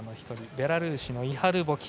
ベラルーシのイハル・ボキ。